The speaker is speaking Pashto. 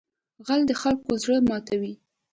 غل د خلکو زړه ماتوي